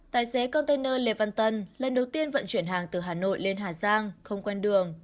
tài xế container lê văn tân lần đầu tiên vận chuyển hàng từ hà nội lên hà giang không quen đường